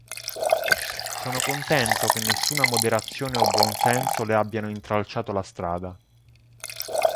Sono contento che nessuna moderazione o buonsenso le abbiano intralciato la strada".